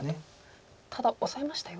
ただオサえましたよ。